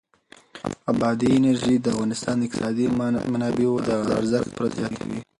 بادي انرژي د افغانستان د اقتصادي منابعو ارزښت پوره زیاتوي.